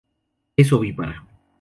Es ovípara.